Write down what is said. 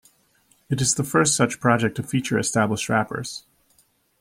It is the first such project to feature established rappers.